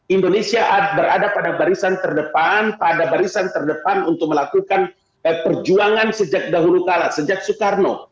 indonesia berada pada barisan terdepan pada barisan terdepan untuk melakukan perjuangan sejak dahulu kala sejak soekarno